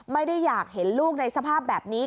ไม่ได้อยากเห็นลูกในสภาพแบบนี้